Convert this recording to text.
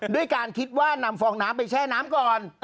ด้วยการคิดว่านำฟองน้ำไปแช่น้ำก่อน